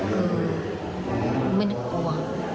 คือไม่ได้กลัว